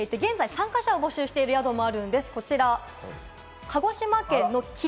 現在、参加者を募集している宿もあります。